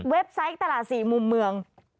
ไซต์ตลาด๔มุมเมือง